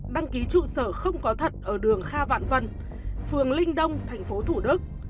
đăng ký trụ sở không có thật ở đường kha vạn vân phường linh đông tp thủ đức